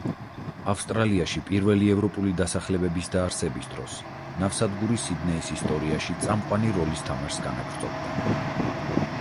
ავსტრალიაში პირველი ევროპული დასახლებების დაარსების დროს ნავსადგური სიდნეის ისტორიაში წამყვანი როლის თამაშს განაგრძობდა.